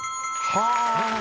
はぁ。